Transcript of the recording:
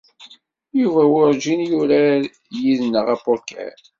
Yuba werjin yurar yid-neɣ apoker.